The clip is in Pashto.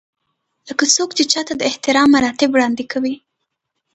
لکه څوک چې چاته د احترام مراتب وړاندې کوي.